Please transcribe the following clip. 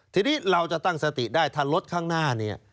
ทีนี้เราจะตั้งสติได้ถ้ารถข้างหน้าเนี่ย